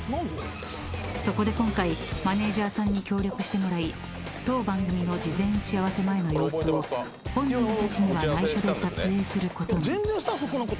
［そこで今回マネジャーさんに協力してもらい当番組の事前打ち合わせ前の様子を本人たちには内緒で撮影することに］